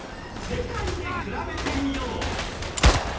世界で比べてみよう。